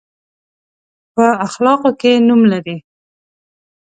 په اخلاقو کې نوم لري.